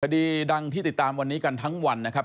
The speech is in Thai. คดีดังที่ติดตามวันนี้กันทั้งวันนะครับ